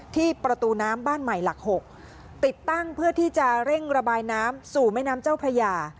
ที่ประตูน้ำบ้านใหม่หลัก๖ติดตั้งเพื่อที่จะเร่งระบายน้ำสู่แม่น้ำเจ้าพระยา